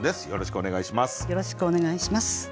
よろしくお願いします。